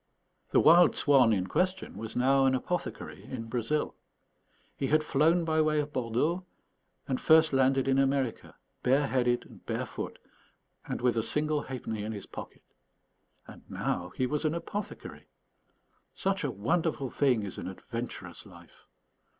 The wild swan in question was now an apothecary in Brazil. He had flown by way of Bordeaux, and first landed in America, bare headed and barefoot, and with a single halfpenny in his pocket. And now he was an apothecary! Such a wonderful thing is an adventurous life!